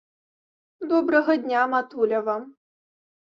Добрага дня, матуля, вам.